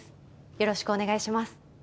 よろしくお願いします。